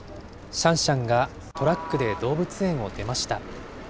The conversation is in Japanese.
シャンシャンがトラックで動物園を出ました。